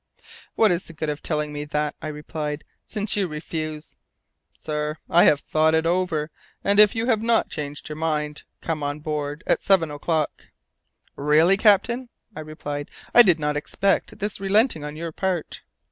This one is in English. "What is the good of telling me that," I replied, "since you refuse " "Sir, I have thought over it, and if you have not changed your mind, come on board at seven o'clock." "Really, captain," I replied, "I did not expect this relenting on your part."